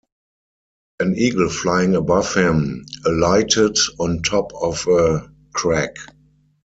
An eagle flying above him alighted on top of a crag.